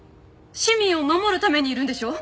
市民を守るためにいるんでしょ！